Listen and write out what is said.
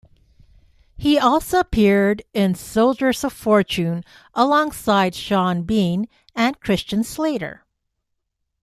He also appeared in "Soldiers of Fortune" alongside Sean Bean and Christian Slater.